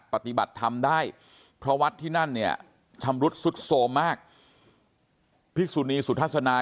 ปฏิบัติทำได้เพราะวัดที่นั่นเนี่ยทำรุดสุดโซมมากภิกษุนีสุธาษณา